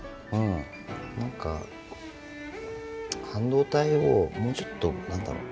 何か半導体をもうちょっと何だろう。